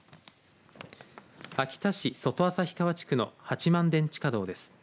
秋田市外旭川地区の八幡田地下道です。